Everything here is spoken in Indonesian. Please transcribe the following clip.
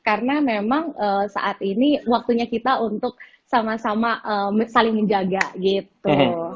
karena memang saat ini waktunya kita untuk sama sama saling menjaga gitu